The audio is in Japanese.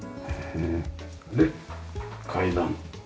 で階段。